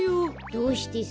どうしてさ。